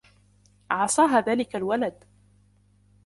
عصاها دالك الولد.